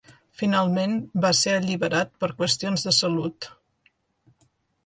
Finalment va ser alliberat per qüestions de salut.